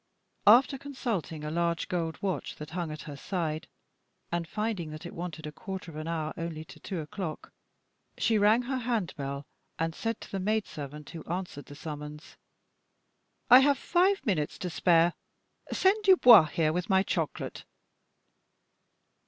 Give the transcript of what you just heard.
After consulting a large gold watch that hung at her side, and finding that it wanted a quarter of an hour only to two o'clock, she rang her hand bell, and said to the maid servant who answered the summons, "I have five minutes to spare. Send Dubois here with my chocolate."